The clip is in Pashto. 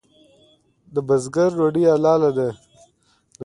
د بزګر ډوډۍ حلاله ده؟